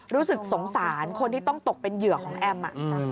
รู้สึกสงสารคนที่ต้องตกเป็นเหยื่อของแอม